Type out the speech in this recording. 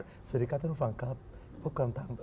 สวัสดีครับท่านฟังครับพบการทาง